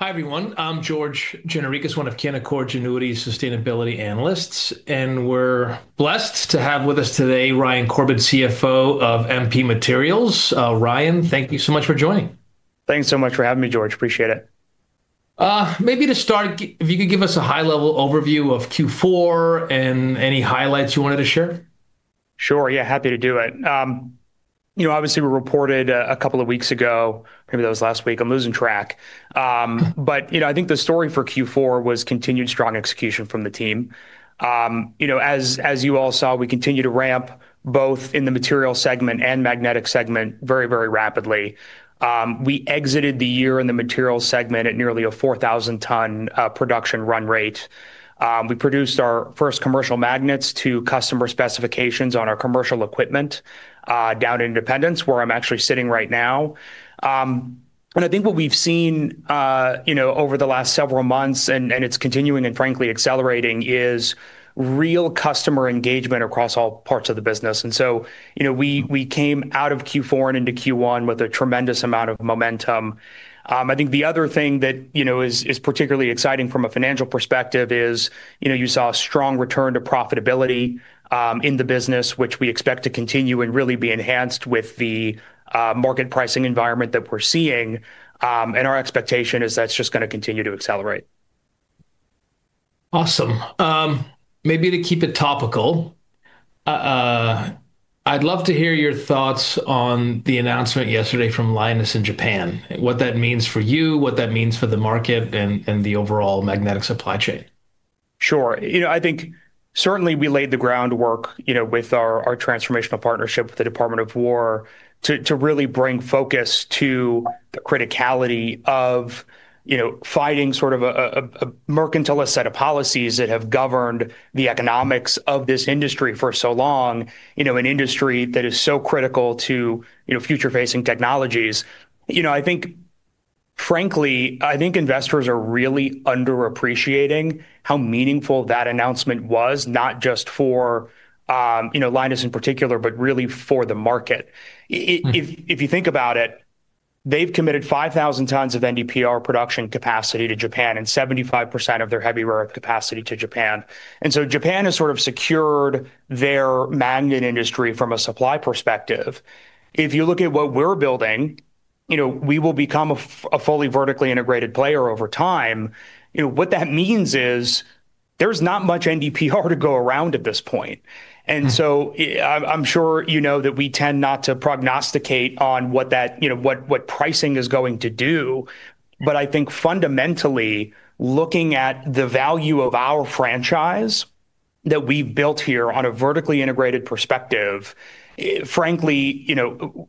Hi, everyone. I'm George Gianarikas, one of Canaccord Genuity sustainability analysts, and we're blessed to have with us today Ryan Corbett, CFO of MP Materials. Ryan, thank you so much for joining. Thanks so much for having me, George. Appreciate it. Maybe to start, if you could give us a high-level overview of Q4 and any highlights you wanted to share. Sure. Yeah, happy to do it. You know, obviously we reported a couple of weeks ago, maybe that was last week. I'm losing track. You know, I think the story for Q4 was continued strong execution from the team. You know, as you all saw, we continue to ramp both in the material segment and magnetic segment very, very rapidly. We exited the year in the material segment at nearly a 4,000-ton production run rate. We produced our first commercial magnets to customer specifications on our commercial equipment down in Independence, where I'm actually sitting right now. I think what we've seen, you know, over the last several months, and it's continuing and frankly accelerating, is real customer engagement across all parts of the business. You know, we came out of Q4 and into Q1 with a tremendous amount of momentum. I think the other thing that you know is particularly exciting from a financial perspective is you know you saw a strong return to profitability in the business, which we expect to continue and really be enhanced with the market pricing environment that we're seeing, and our expectation is that's just gonna continue to accelerate. Awesome. Maybe to keep it topical, I'd love to hear your thoughts on the announcement yesterday from Lynas in Japan, what that means for you, what that means for the market, and the overall magnetic supply chain. Sure. You know, I think certainly we laid the groundwork, you know, with our transformational partnership with the Department of Defense to really bring focus to the criticality of, you know, fighting sort of a mercantilist set of policies that have governed the economics of this industry for so long, you know, an industry that is so critical to, you know, future-facing technologies. You know, I think, frankly, I think investors are really underappreciating how meaningful that announcement was, not just for, you know, Lynas in particular, but really for the market. If you think about it, they've committed 5,000 tons of NdPr production capacity to Japan and 75% of their heavy rare earth capacity to Japan. Japan has sort of secured their magnet industry from a supply perspective. If you look at what we're building, you know, we will become a fully vertically integrated player over time. You know, what that means is there's not much NdPr to go around at this point. I'm sure you know that we tend not to prognosticate on what that, you know, what pricing is going to do. I think fundamentally, looking at the value of our franchise that we've built here on a vertically integrated perspective, frankly, you know,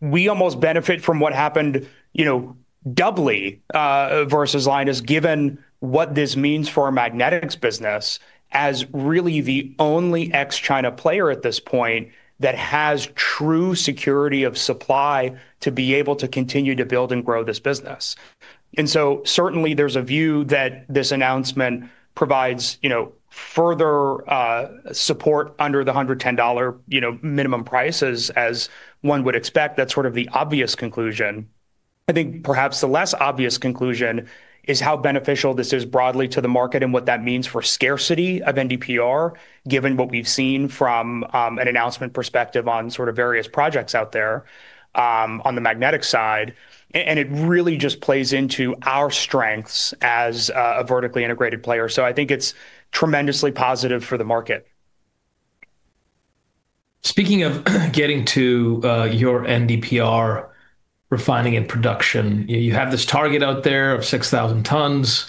we almost benefit from what happened, you know, doubly versus Lynas, given what this means for our magnetics business as really the only ex-China player at this point that has true security of supply to be able to continue to build and grow this business. Certainly there's a view that this announcement provides, you know, further support under the $110, you know, minimum price as one would expect. That's sort of the obvious conclusion. I think perhaps the less obvious conclusion is how beneficial this is broadly to the market and what that means for scarcity of NdPr, given what we've seen from an announcement perspective on sort of various projects out there on the magnetic side. And it really just plays into our strengths as a vertically integrated player. I think it's tremendously positive for the market. Speaking of getting to your NdPr refining and production, you have this target out there of 6,000 tons.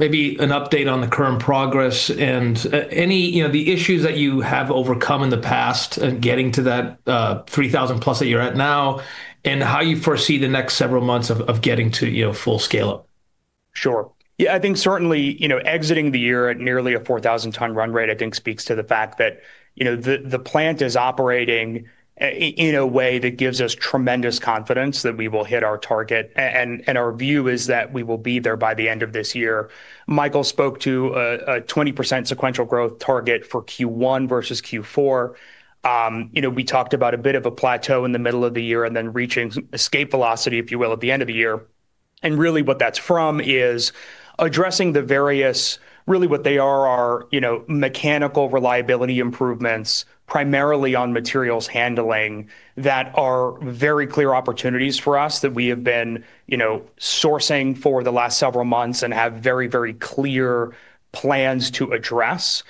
Maybe an update on the current progress and any, you know, the issues that you have overcome in the past in getting to that 3,000 plus that you're at now, and how you foresee the next several months of getting to, you know, full scale-up. Sure. Yeah, I think certainly, you know, exiting the year at nearly a 4,000-ton run rate I think speaks to the fact that, you know, the plant is operating in a way that gives us tremendous confidence that we will hit our target and our view is that we will be there by the end of this year. Michael spoke to a 20% sequential growth target for Q1 versus Q4. You know, we talked about a bit of a plateau in the middle of the year and then reaching escape velocity, if you will, at the end of the year. Really what that's from is addressing the various, really what they are, you know, mechanical reliability improvements, primarily on materials handling, that are very clear opportunities for us that we have been, you know, sourcing for the last several months and have very, very clear plans to address.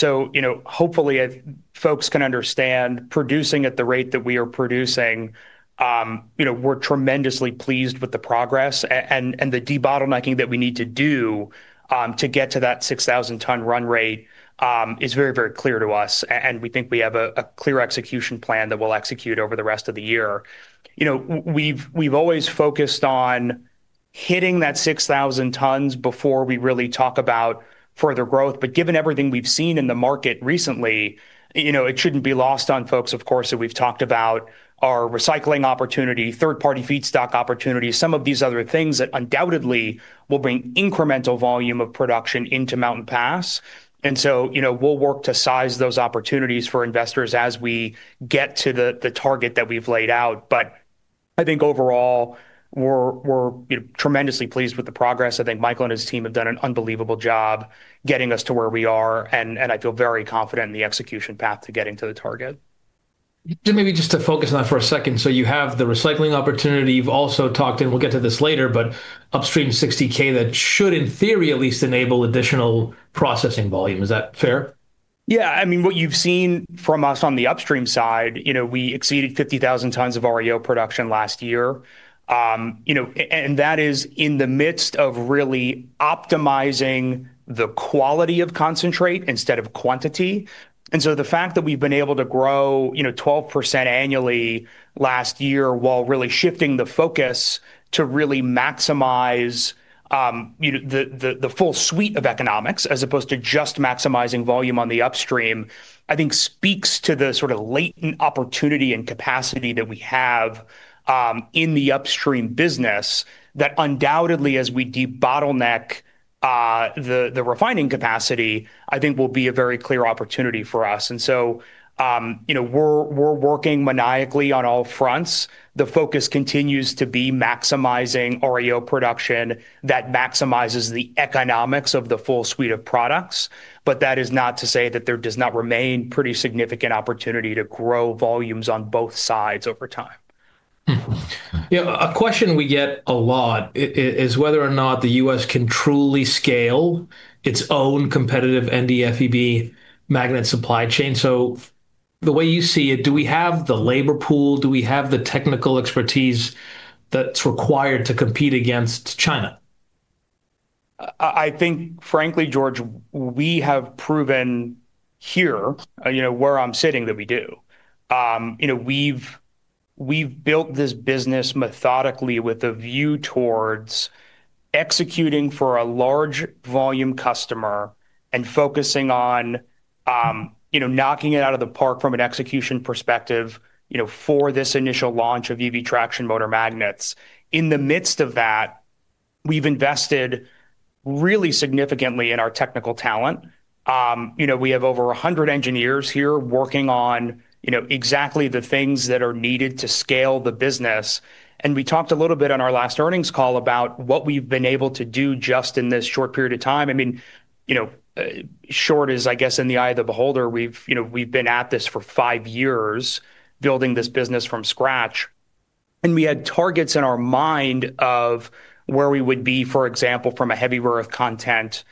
You know, hopefully if folks can understand producing at the rate that we are producing, you know, we're tremendously pleased with the progress and the debottlenecking that we need to do to get to that 6,000-ton run rate is very, very clear to us and we think we have a clear execution plan that we'll execute over the rest of the year. You know, we've always focused on hitting that 6,000 tons before we really talk about further growth. Given everything we've seen in the market recently, you know, it shouldn't be lost on folks, of course, that we've talked about our recycling opportunity, third-party feedstock opportunities, some of these other things that undoubtedly will bring incremental volume of production into Mountain Pass. You know, we'll work to size those opportunities for investors as we get to the target that we've laid out. I think overall we're, you know, tremendously pleased with the progress. I think Michael and his team have done an unbelievable job getting us to where we are, and I feel very confident in the execution path to getting to the target. Maybe just to focus on that for a second. You have the recycling opportunity. You've also talked, and we'll get to this later, but upstream 60K that should in theory at least enable additional processing volume. Is that fair? Yeah. I mean, what you've seen from us on the upstream side, you know, we exceeded 50,000 tons of REO production last year. That is in the midst of really optimizing the quality of concentrate instead of quantity. The fact that we've been able to grow, you know, 12% annually last year while really shifting the focus to really maximize you know the full suite of economics as opposed to just maximizing volume on the upstream, I think speaks to the sort of latent opportunity and capacity that we have in the upstream business that undoubtedly as we debottleneck the refining capacity, I think will be a very clear opportunity for us. We're working maniacally on all fronts. The focus continues to be maximizing REO production that maximizes the economics of the full suite of products, but that is not to say that there does not remain pretty significant opportunity to grow volumes on both sides over time. Yeah, a question we get a lot is whether or not the U.S. can truly scale its own competitive NdFeB magnet supply chain. The way you see it, do we have the labor pool? Do we have the technical expertise that's required to compete against China? I think frankly, George, we have proven here, you know, where I'm sitting that we do. You know, we've built this business methodically with a view towards executing for a large volume customer and focusing on, you know, knocking it out of the park from an execution perspective, you know, for this initial launch of EV traction motor magnets. In the midst of that, we've invested really significantly in our technical talent. You know, we have over a hundred engineers here working on, you know, exactly the things that are needed to scale the business. We talked a little bit on our last earnings call about what we've been able to do just in this short period of time. I mean, you know, short is, I guess, in the eye of the beholder. We've, you know, been at this for five years, building this business from scratch. We had targets in our mind of where we would be, for example, from a heavy rare earth content,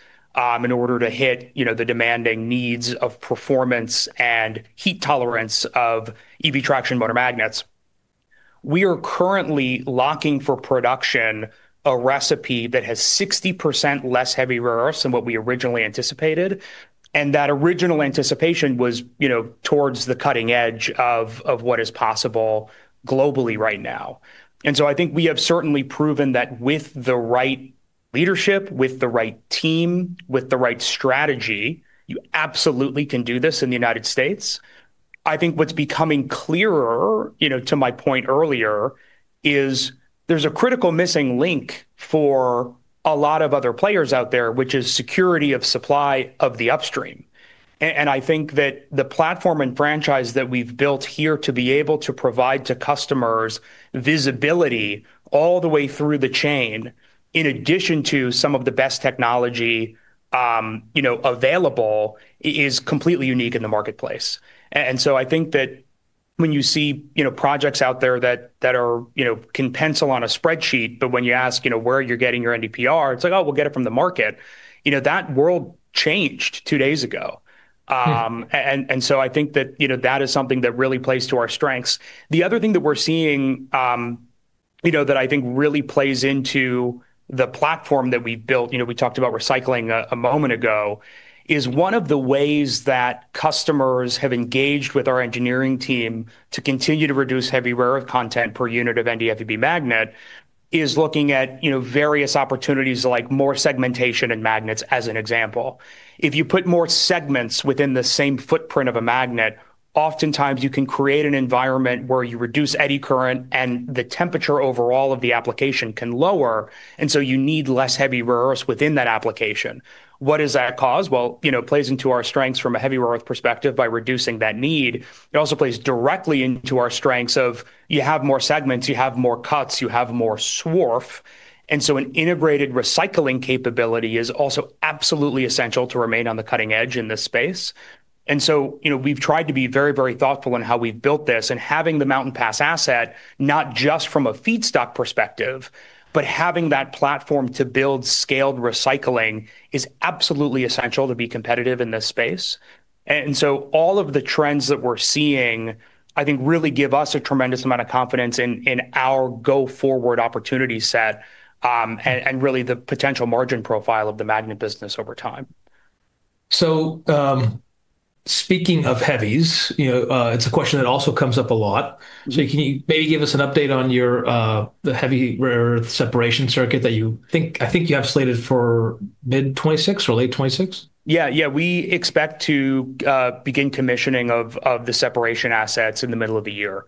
in order to hit, you know, the demanding needs of performance and heat tolerance of EV traction motor magnets. We are currently locking for production a recipe that has 60% less heavy rare earths than what we originally anticipated, and that original anticipation was, you know, towards the cutting edge of what is possible globally right now. I think we have certainly proven that with the right leadership, with the right team, with the right strategy, you absolutely can do this in the United States. I think what's becoming clearer, you know, to my point earlier, is there's a critical missing link for a lot of other players out there, which is security of supply of the upstream. I think that the platform and franchise that we've built here to be able to provide to customers visibility all the way through the chain, in addition to some of the best technology, you know, available is completely unique in the marketplace. I think that, you know, that is something that really plays to our strengths. The other thing that we're seeing, you know, that I think really plays into the platform that we've built, you know, we talked about recycling a moment ago, is one of the ways that customers have engaged with our engineering team to continue to reduce heavy rare earth content per unit of NdFeB magnet is looking at, you know, various opportunities like more segmentation in magnets, as an example. If you put more segments within the same footprint of a magnet, oftentimes you can create an environment where you reduce eddy current and the temperature overall of the application can lower, and so you need less heavy rare earths within that application. What does that cause? Well, you know, it plays into our strengths from a heavy rare earth perspective by reducing that need. It also plays directly into our strengths of you have more segments, you have more cuts, you have more swarf, and so an integrated recycling capability is also absolutely essential to remain on the cutting edge in this space. You know, we've tried to be very, very thoughtful in how we've built this, and having the Mountain Pass asset, not just from a feedstock perspective, but having that platform to build scaled recycling is absolutely essential to be competitive in this space. All of the trends that we're seeing, I think really give us a tremendous amount of confidence in our go-forward opportunity set, and really the potential margin profile of the magnet business over time. Speaking of heavies, you know, it's a question that also comes up a lot. Mm-hmm. Can you maybe give us an update on your the heavy rare earth separation circuit that I think you have slated for mid-2026 or late 2026. Yeah. Yeah, we expect to begin commissioning of the separation assets in the middle of the year.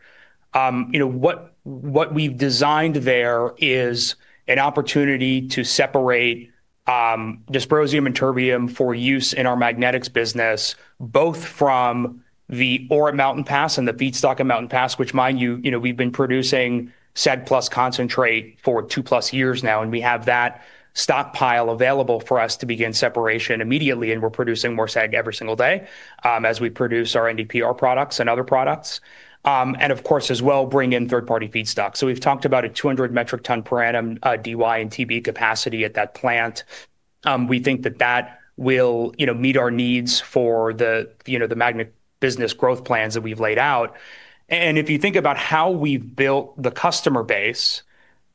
You know, what we've designed there is an opportunity to separate dysprosium and terbium for use in our magnetics business, both from the ore at Mountain Pass and the feedstock at Mountain Pass, which mind you know, we've been producing SEG-plus concentrate for 2+ years now, and we have that stockpile available for us to begin separation immediately, and we're producing more SEG every single day, as we produce our NdPr products and other products. And of course, as well, bring in third-party feedstock. So we've talked about a 200 metric ton per annum DY and TB capacity at that plant. We think that will, you know, meet our needs for the magnet business growth plans that we've laid out. If you think about how we've built the customer base,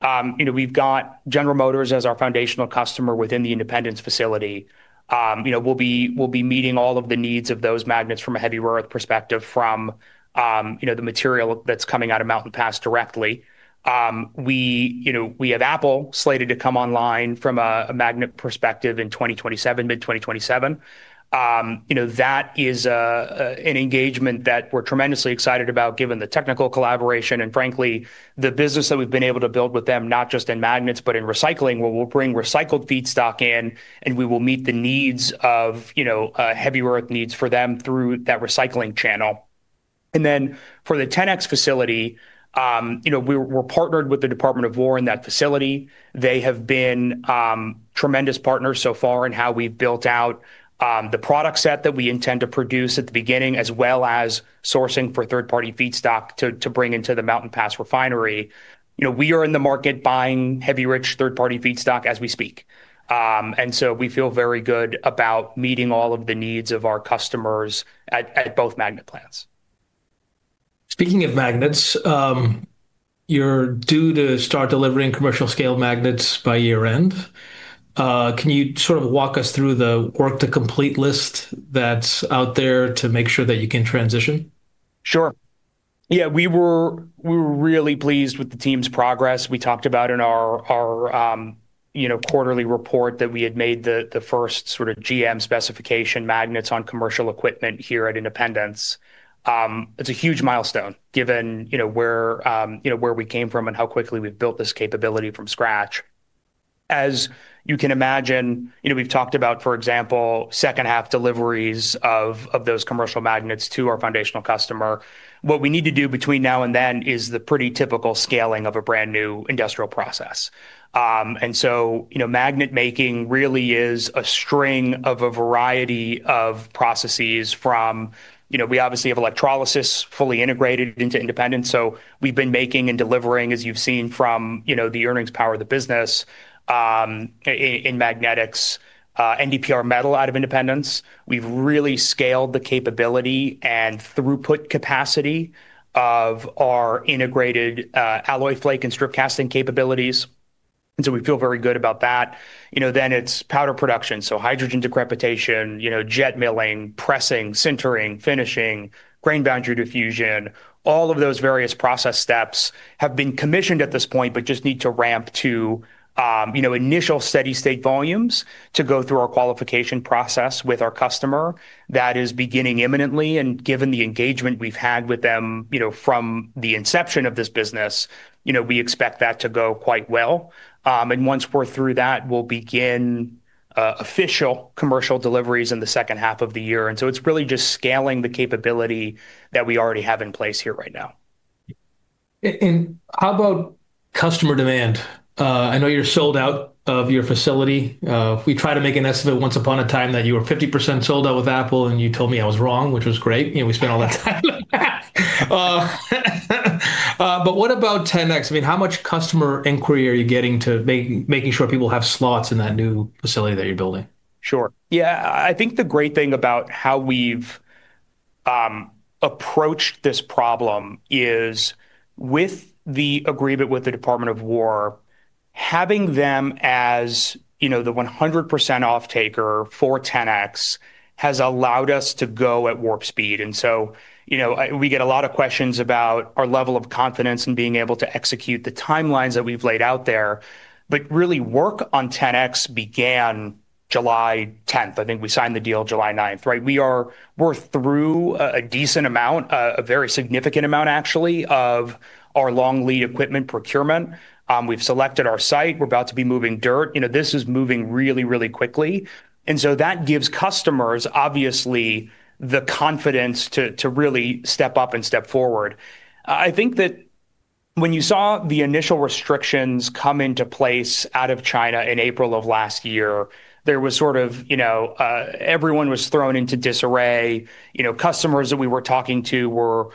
you know, we've got General Motors as our foundational customer within the Independence facility. You know, we'll be meeting all of the needs of those magnets from a heavy rare earth perspective from the material that's coming out of Mountain Pass directly. You know, we have Apple slated to come online from a magnet perspective in 2027, mid-2027. You know, that is an engagement that we're tremendously excited about given the technical collaboration and frankly, the business that we've been able to build with them, not just in magnets, but in recycling, where we'll bring recycled feedstock in, and we will meet the needs of, you know, heavy earth needs for them through that recycling channel. Then for the 10X facility, you know, we're partnered with the Department of Defense in that facility. They have been tremendous partners so far in how we've built out the product set that we intend to produce at the beginning, as well as sourcing for third-party feedstock to bring into the Mountain Pass refinery. You know, we are in the market buying heavy rich third-party feedstock as we speak. We feel very good about meeting all of the needs of our customers at both magnet plants. Speaking of magnets, you're due to start delivering commercial scale magnets by year-end. Can you sort of walk us through the work to complete list that's out there to make sure that you can transition? Sure. Yeah, we were really pleased with the team's progress. We talked about in our quarterly report that we had made the first sort of GM specification magnets on commercial equipment here at Independence. It's a huge milestone given where we came from and how quickly we've built this capability from scratch. As you can imagine, we've talked about, for example, second half deliveries of those commercial magnets to our foundational customer. What we need to do between now and then is the pretty typical scaling of a brand-new industrial process. Magnet making really is a string of a variety of processes. We obviously have electrolysis fully integrated into Independence. We've been making and delivering, as you've seen from, you know, the earnings power of the business, in magnetics, NdPr metal out of Independence. We've really scaled the capability and throughput capacity of our integrated, alloy flake and strip casting capabilities. We feel very good about that. You know, it's powder production, so hydrogen decrepitation, you know, jet milling, pressing, sintering, finishing, grain boundary diffusion. All of those various process steps have been commissioned at this point, but just need to ramp to initial steady state volumes to go through our qualification process with our customer. That is beginning imminently, and given the engagement we've had with them, you know, from the inception of this business, you know, we expect that to go quite well. Once we're through that, we'll begin official commercial deliveries in the second half of the year. It's really just scaling the capability that we already have in place here right now. How about customer demand? I know you're sold out of your facility. We try to make an estimate once upon a time that you were 50% sold out with Apple, and you told me I was wrong, which was great. You know, we spent all that time. But what about 10X? I mean, how much customer inquiry are you getting, making sure people have slots in that new facility that you're building? Sure. Yeah. I think the great thing about how we've approached this problem is with the agreement with the Department of Defense, having them as, you know, the 100% off-taker for 10X has allowed us to go at warp speed. You know, we get a lot of questions about our level of confidence in being able to execute the timelines that we've laid out there. Really, work on 10X began July 10th. I think we signed the deal July 9th, right? We're through a decent amount, actually a very significant amount, of our long lead equipment procurement. We've selected our site. We're about to be moving dirt. You know, this is moving really, really quickly. That gives customers, obviously, the confidence to really step up and step forward. I think that when you saw the initial restrictions come into place out of China in April of last year, there was sort of, you know, everyone was thrown into disarray. You know, customers that we were talking to were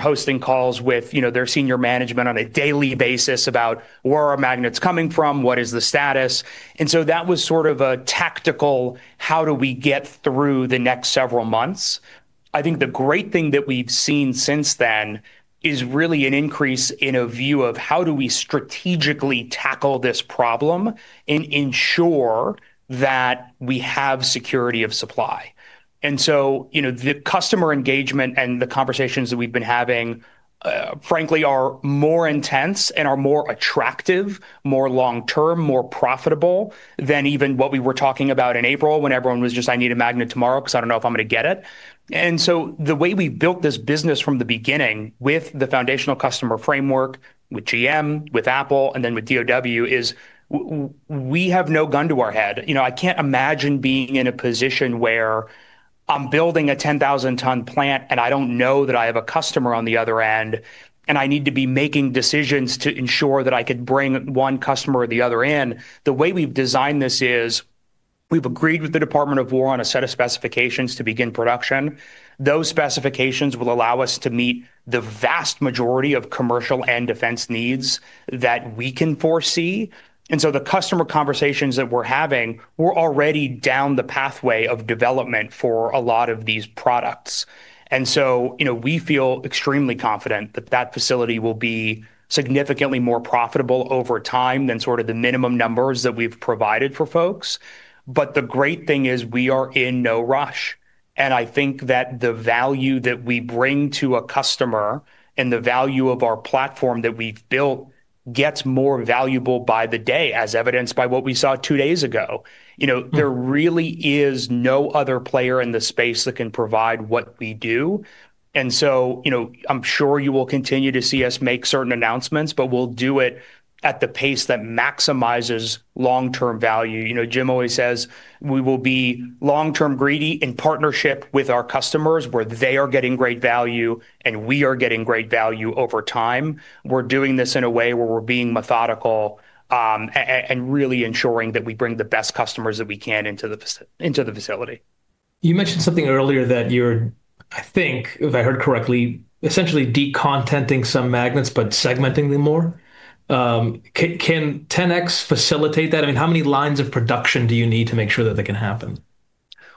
hosting calls with, you know, their senior management on a daily basis about where are magnets coming from? What is the status? That was sort of a tactical, how do we get through the next several months? I think the great thing that we've seen since then is really an increase in a view of how do we strategically tackle this problem and ensure that we have security of supply. You know, the customer engagement and the conversations that we've been having, frankly, are more intense and are more attractive, more long-term, more profitable than even what we were talking about in April when everyone was just, "I need a magnet tomorrow 'cause I don't know if I'm gonna get it." The way we built this business from the beginning with the foundational customer framework, with GM, with Apple, and then with DOD is we have no gun to our head. You know, I can't imagine being in a position where, I'm building a 10,000-ton plant, and I don't know that I have a customer on the other end, and I need to be making decisions to ensure that I could bring one customer on the other end. The way we've designed this is we've agreed with the Department of Defense on a set of specifications to begin production. Those specifications will allow us to meet the vast majority of commercial and defense needs that we can foresee. The customer conversations that we're having, we're already down the pathway of development for a lot of these products. You know, we feel extremely confident that that facility will be significantly more profitable over time than sort of the minimum numbers that we've provided for folks. The great thing is we are in no rush, and I think that the value that we bring to a customer and the value of our platform that we've built gets more valuable by the day, as evidenced by what we saw two days ago. Mm. There really is no other player in the space that can provide what we do. You know, I'm sure you will continue to see us make certain announcements, but we'll do it at the pace that maximizes long-term value. You know, Jim always says, "We will be long-term greedy in partnership with our customers where they are getting great value and we are getting great value over time." We're doing this in a way where we're being methodical, and really ensuring that we bring the best customers that we can into the facility. You mentioned something earlier that you're, I think, if I heard correctly, essentially decontenting some magnets, but segmenting them more. Can 10X facilitate that? I mean, how many lines of production do you need to make sure that they can happen?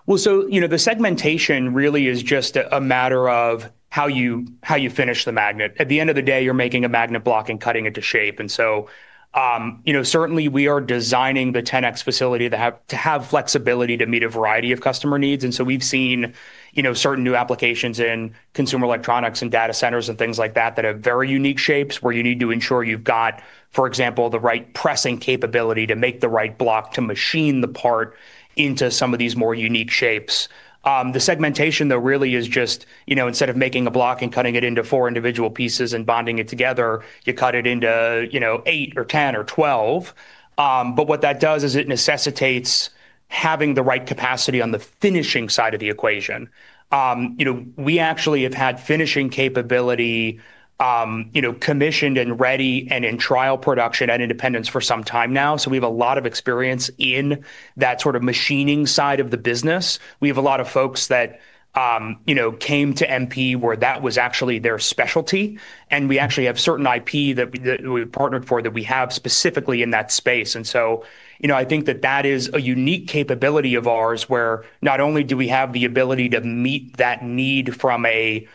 You know, the segmentation really is just a matter of how you finish the magnet. At the end of the day, you're making a magnet block and cutting it to shape. You know, certainly we are designing the Ten X facility to have flexibility to meet a variety of customer needs. We've seen, you know, certain new applications in consumer electronics and data centers and things like that that have very unique shapes where you need to ensure you've got, for example, the right pressing capability to make the right block to machine the part into some of these more unique shapes. The segmentation though really is just, you know, instead of making a block and cutting it into four individual pieces and bonding it together, you cut it into, you know, eight or 10 or 12. What that does is it necessitates having the right capacity on the finishing side of the equation. You know, we actually have had finishing capability, commissioned and ready and in trial production and independence for some time now, so we have a lot of experience in that sort of machining side of the business. We have a lot of folks that, you know, came to MP where that was actually their specialty, and we actually have certain IP that we partnered for that we have specifically in that space. You know, I think that is a unique capability of ours, where not only do we have the ability to meet that need from a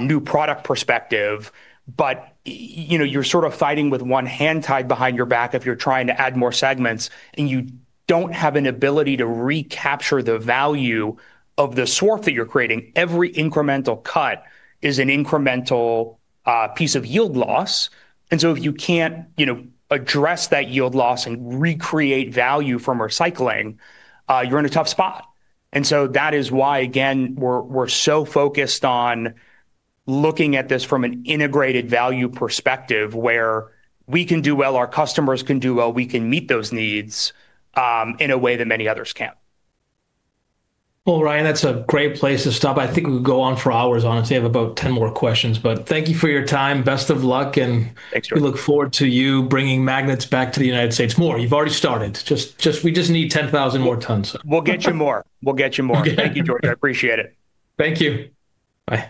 new product perspective, but you know, you're sort of fighting with one hand tied behind your back if you're trying to add more segments and you don't have an ability to recapture the value of the swarf that you're creating. Every incremental cut is an incremental piece of yield loss. If you can't, you know, address that yield loss and recreate value from recycling, you're in a tough spot. That is why, again, we're so focused on looking at this from an integrated value perspective where we can do well, our customers can do well, we can meet those needs in a way that many others can't. Well, Ryan, that's a great place to stop. I think we could go on for hours, honestly. I have about 10 more questions. Thank you for your time. Best of luck and. Thanks, George. We look forward to you bringing magnets back to the United States more. You've already started. We just need 10,000 more tons. We'll get you more. Okay. Thank you, George. I appreciate it. Thank you. Bye.